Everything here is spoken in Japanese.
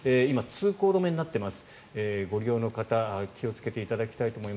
通行止めになっています。